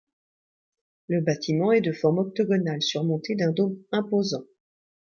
Le bâtiment est de forme octogonale surmonté d'un dôme imposant.